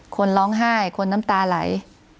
คนร้องไห้คนน้ำตาไหล